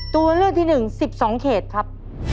ตัวเลือกที่๑๑๒เขตครับ